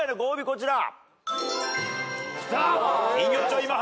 こちら。